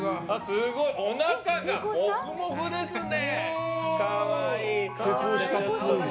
すごい！おなかがもふもふですね。